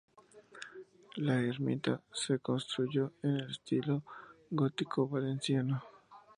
La ermita se construyó en estilo gótico valenciano.